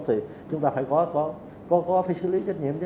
thì chúng ta phải có có phải xử lý trách nhiệm chứ